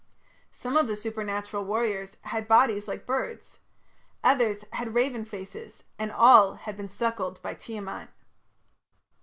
Some of the supernatural warriors had bodies like birds; others had "raven faces", and all had been "suckled by Tiamat".